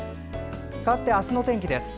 かわって、明日の天気です。